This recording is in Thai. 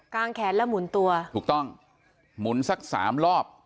งแขนแล้วหมุนตัวถูกต้องหมุนสักสามรอบ